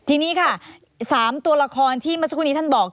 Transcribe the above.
ทีนี้ค่ะ๓ตัวละครที่เมื่อสักครู่นี้ท่านบอก